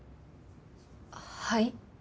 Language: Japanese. はい？